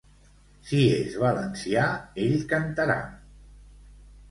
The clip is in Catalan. Si és valencià, ell cantarà.